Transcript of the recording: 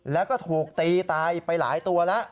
แล้วก็ถูกตีตายไปหลายตัวแล้ว